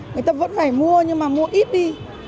người ta vẫn phải mua nhưng mà mua ít đi